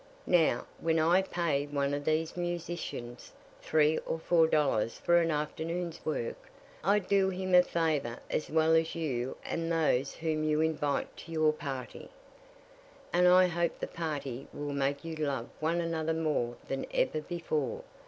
Now, when I pay one of these musicians three or four dollars for an afternoon's work, I do him a favor as well as you and those whom you invite to your party. "And I hope the party will make you love one another more than ever before.